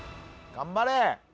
頑張れ！